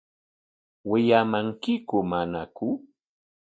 ¿Wiyamankiku manaku?